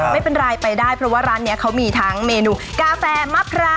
ไม่เป็นไรไปได้เพราะว่าร้านนี้เขามีทั้งเมนูกาแฟมะพร้าว